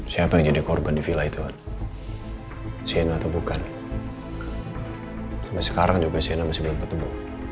siapa yang jadi korban di villa itu sienna atau bukan sampai sekarang juga cnn masih belum ketemu